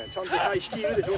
「引きいるでしょ？」